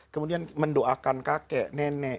kemudian mendoakan kakek nenek